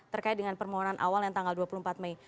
terkait dengan permohonan awal yang tanggal dua puluh empat mei